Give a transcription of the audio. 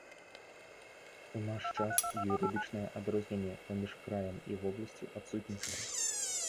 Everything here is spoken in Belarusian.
У наш час юрыдычнае адрозненне паміж краем і вобласцю адсутнічае.